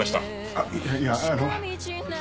あっいやいやあの。